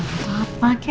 gak apa apa kek